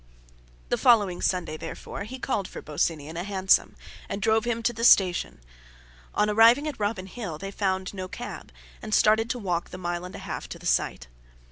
The following Sunday therefore he called for Bosinney in a hansom, and drove him to the station. On arriving at Robin Hill, they found no cab, and started to walk the mile and a half to the site.